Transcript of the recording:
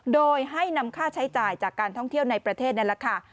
โดยให้นำค่าใช้จ่ายจากการท่องเที่ยวในประเทศนั่นแหละค่ะ